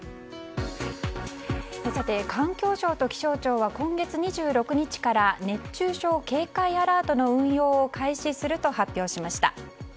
環境庁と気象庁は今月２６日から熱中症警戒アラートの運用を開始すると発表しました。